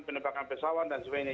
penembakan pesawat dan sebagainya